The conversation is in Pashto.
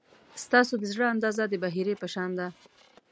ستاسو د زړه اندازه د بحیرې په شان ده.